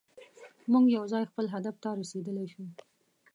موږ یوځای خپل هدف ته رسیدلی شو.